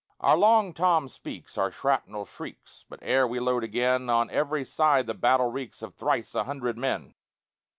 Our Long Tom speaks, our shrapnel shrieks; But ere we load again, On every side the battle reeks Of thrice a hundred men.